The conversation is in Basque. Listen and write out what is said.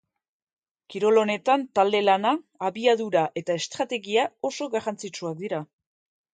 Kirol honetan talde lana, abiadura eta estrategia oso garrantzitsuak dira.